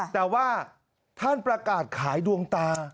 แต่ว่าท่านประกาศขายดวงตา